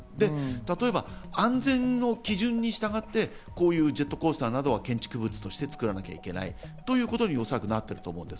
例えば安全の基準に従ってこういうジェットコースターなどは建築物として作らなきゃいけないということにおそらくなっていると思います。